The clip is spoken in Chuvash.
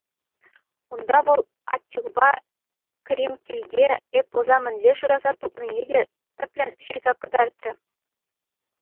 Унта вӑл «Аттилпа Кримкилте» эпоса мӗнле шыраса тупнине те тӗплӗн ҫырса кӑтартрӗ.